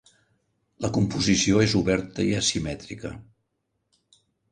La composició és oberta i asimètrica.